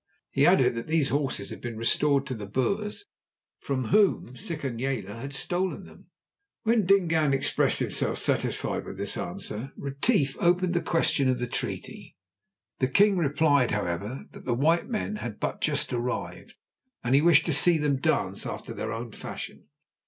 He added that these horses had been restored to the Boers, from whom Sikonyela had stolen them. When Dingaan had expressed himself satisfied with this answer, Retief opened the question of the treaty. The king replied however, that the white men had but just arrived, and he wished to see them dance after their own fashion.